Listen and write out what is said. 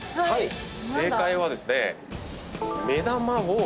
正解はですね。